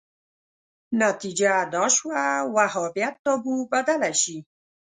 نتیجه دا شوه وهابیت تابو بدله شي